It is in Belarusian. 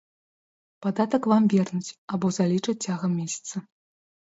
Падатак вам вернуць або залічаць цягам месяца.